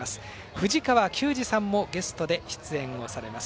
藤川球児さんもゲストで出演をされます。